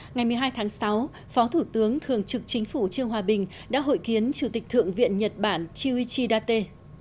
ngày một mươi hai tháng sáu phó thủ tướng thường trực chính phủ trương hòa bình đã hội kiến chủ tịch thượng viện nhật bản chi date